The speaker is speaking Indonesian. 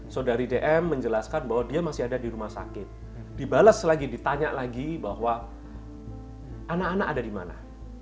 saudari dm menjelaskan bahwa dia masih ada di rumah sakit dibalas lagi ditanya lagi bahwa anak anak ada di mana